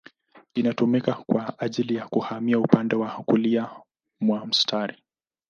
Inatumika kwa ajili ya kuhamia upande wa kulia mwa mstari.